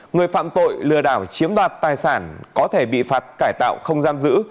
người phạm tội lừa đảo chiếm đoạt tài sản có thể bị phạt cải tạo không giam giữ